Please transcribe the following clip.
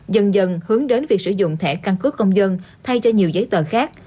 dần dần hướng đến việc sử dụng thẻ căn cước công dân thay cho nhiều giấy tờ khác